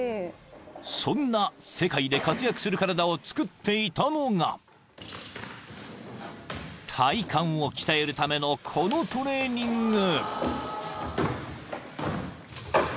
［そんな世界で活躍する体をつくっていたのが体幹を鍛えるためのこのトレーニング］